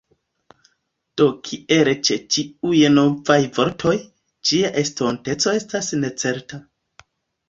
Do, kiel ĉe ĉiuj novaj vortoj, ĝia estonteco estas necerta.